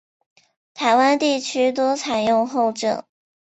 台湾地区多采用后者。